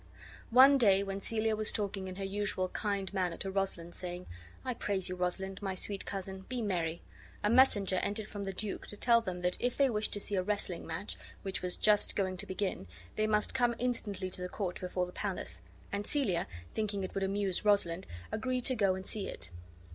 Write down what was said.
One day, when Celia was talking in her usual kind manner to Rosalind, saying, "I pray you, Rosalind, my sweet cousin, be merry," a messenger entered from the duke, to tell them that if they wished to see a wrestling match, which was just going to begin, they must come instantly to the court before the palace; and Celia, thinking it would amuse Rosalind, agreed to go and see it.